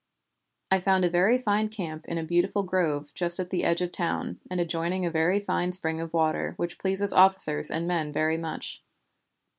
I found a very fine camp in a beautiful grove just at the edge of the town, and adjoining a very fine spring of water, which pleases officers and men very much.